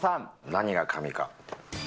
何が神か。